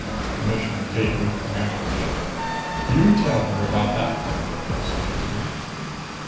Commissioner Tate looked at Mantelish. "You tell her about that part of it," he suggested.